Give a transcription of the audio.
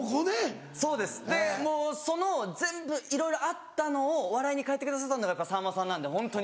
その全部いろいろあったのを笑いに変えてくださったのがさんまさんなんでホントに。